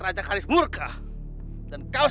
akan jadi hypothetical